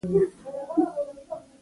هره لاسته راوړنه له خیال پیلېږي.